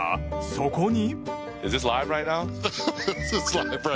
そこに。